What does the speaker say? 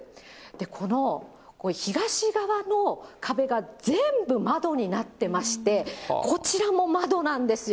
この東側の壁が全部窓になってまして、こちらも窓なんですよ。